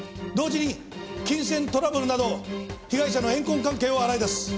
同時に金銭トラブルなど被害者の怨恨関係を洗い出す。